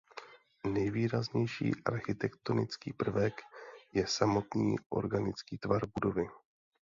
Nejvýraznější architektonický prvek je samotný organický tvar budovy.